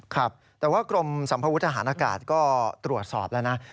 ครับแต่ว่ากรมสัมภวุฒหารอากาศก็ตรวจสอบแล้วนะ